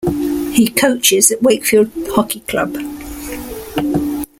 He coaches at Wakefield Hockey Club.